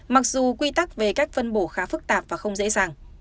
mặc dù quy tắc về cách phân bổ khá phức tạp và không dễ dàng